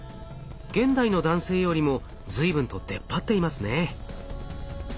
現代の男性よりも随分と出っ張っていますね。